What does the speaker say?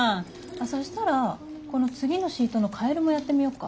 そしたらこの次のシートのカエルもやってみようか。